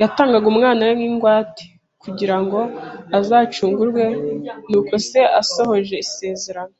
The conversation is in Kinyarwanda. yatangaga umwana we nk’ingwate, kugira ngo azacungurwe n’uko se asohoje isezerano.